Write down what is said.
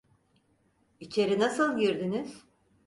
İçeri nasıl girdiniz?